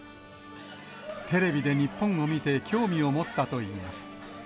テレビで日本を見て、興味を持ったといいます。